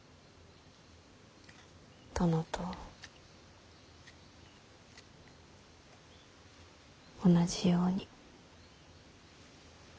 殿と同じように。